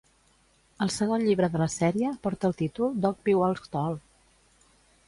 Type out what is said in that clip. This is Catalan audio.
El segon llibre de la sèrie porta el títol "Dogby Walks Tall".